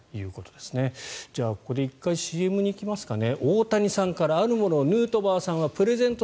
じゃあここで１回ＣＭに行きますかね。